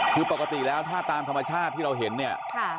คือปกติแล้วถ้าตามธรรมชาติที่เราเห็นเนี่ย